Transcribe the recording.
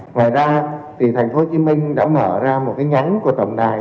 ngoài ra thì thành phố hồ chí minh đã mở ra một cái nhắn của tầng đài một nghìn hai mươi hai